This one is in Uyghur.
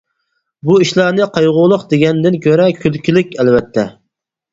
بۇ ئىشلارنى قايغۇلۇق دېگەندىن كۆرە كۈلكىلىك، ئەلۋەتتە.